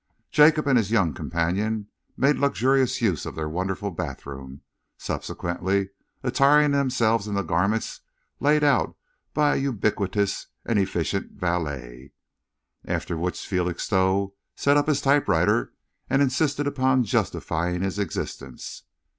Jacob and his young companion made luxurious use of their wonderful bathrooms, subsequently attiring themselves in the garments laid out by a ubiquitous and efficient valet, after which Felixstowe set up his typewriter and insisted upon justifying his existence.